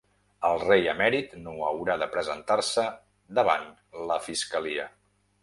El rei emèrit no haurà de presentar-se davant la fiscalia.